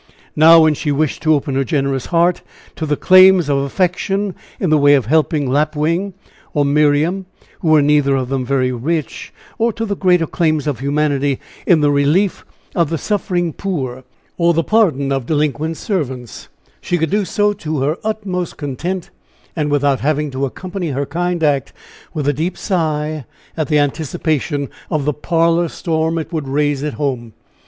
Now when she wished to open her generous heart to the claims of affection in the way of helping Lapwing or Miriam, who were neither of them very rich or to the greater claims of humanity in the relief of the suffering poor, or the pardon of delinquent servants, she could do so to her utmost content, and without having to accompany her kind act with a deep sigh at the anticipation of the parlor storm it would raise at home.